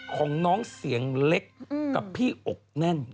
ของน้องเสียงเล็กกับพี่อกแน่น